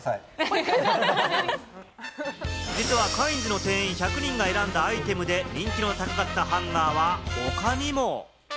実はカインズの店員１００人が選んだアイテムで、人気の高かったハンガーは他にも。